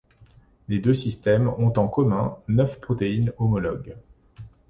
Les deux systèmes ont en commun neuf proteines homologues.